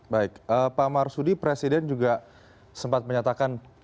baik pak marsudi presiden juga sempat menyatakan